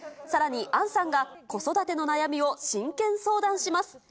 さらに杏さんが、子育ての悩みを真剣相談します。